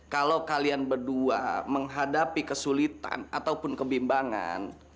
kalau kalian berdua menghadapi kesulitan ataupun kebimbangan